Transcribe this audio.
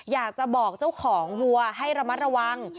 อยากจะบอกเจ้าของวัวให้ระมัดระวัง